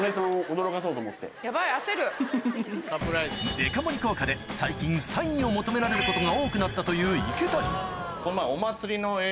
デカ盛り効果で最近サインを求められることが多くなったという池谷